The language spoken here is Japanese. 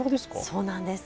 そうなんです。